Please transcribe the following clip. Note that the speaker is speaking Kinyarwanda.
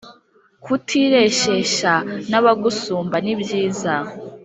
Kutireshyeshya n’abagusumba nibyiza